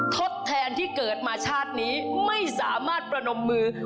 ทดแทนที่เกิดมาชาตินี้ไม่สามารถประนมมือ